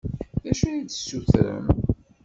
D acu ad d-tessutrem?